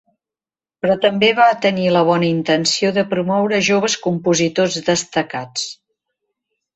Però també va tenir la bona intenció de promoure joves compositors destacats.